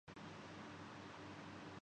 ایک رائے ہے